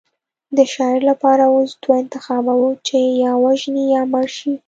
د شاعر لپاره اوس دوه انتخابه وو چې یا ووژني یا مړ شي